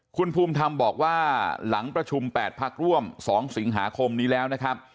คุณภูมิธรรมบอกว่าหลังประชุม๘พักร่วม๒สิงหาคมนี้แล้วนะครับ